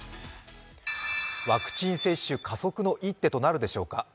ワクチン接種加速の一手となるでしょうか。